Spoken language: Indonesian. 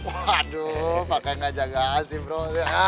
waduh pakai ngajagaan sih bro